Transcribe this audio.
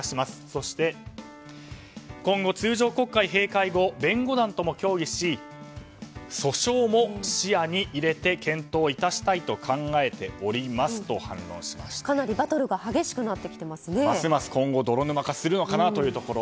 そして、今後通常国会閉会後弁護団とも協議し訴訟も視野に入れて検討いたしたいとかなりバトルがますます今後泥沼化するのかというところ。